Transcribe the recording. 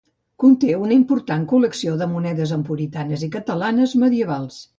Conté una important col·lecció de monedes emporitanes i catalanes medievals.